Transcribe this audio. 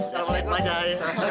jangan lewat bajanya